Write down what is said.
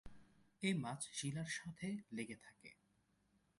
এ মাছ শিলার সাথে লেগে থাকে।